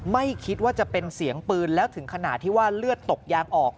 ไม่คิดว่าจะเป็นเสียงปืนแล้วถึงขนาดที่ว่าเลือดตกยางออก